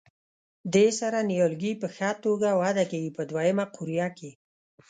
دې سره نیالګي په ښه توګه وده کوي په دوه یمه قوریه کې.